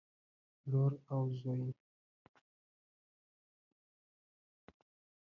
لور او زوى